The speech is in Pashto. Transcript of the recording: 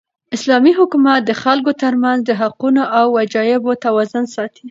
اسلامي حکومت د خلکو تر منځ د حقونو او وجایبو توازن ساتي.